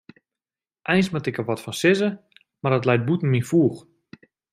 Eins moat ik der wat fan sizze, mar it leit bûten myn foech.